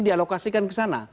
dialokasikan ke sana